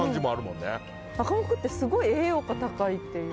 アカモクってすごい栄養価高いっていう。